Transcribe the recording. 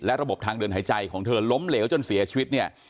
ระบบทางเดินหายใจของเธอล้มเหลวจนเสียชีวิตเนี่ย